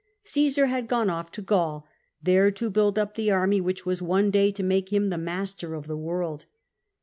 Caesar had gone off to Gaul, there to build up the army which was one day to make him the master of the world.